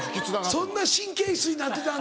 そんな神経質になってたんだ。